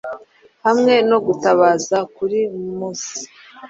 hamwe no gutabaza kuri muse;